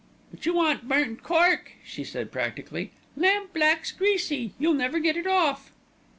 "But you want burnt cork," she said practically; "lamp black's greasy. You'll never get it off."